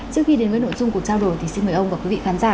trước khi đến với nội dung cuộc trao đổi thì xin mời ông và quý vị khán giả